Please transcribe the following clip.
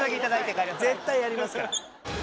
絶対ありますから。